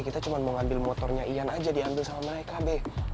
kita cuma mau ngambil motornya ian aja diambil sama mereka b